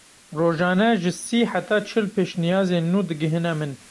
Rojane ji sî heta çil pêşniyazên nû digihine min.